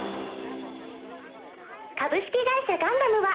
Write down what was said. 「株式会社ガンダム」は。